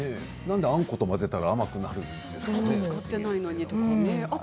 あんこと混ぜたら甘くなるんですね。